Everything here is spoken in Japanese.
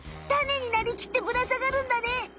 タネになりきってぶらさがるんだね。